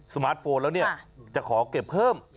มาร์ทโฟนแล้วเนี่ยจะขอเก็บเพิ่ม